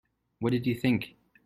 What did you think?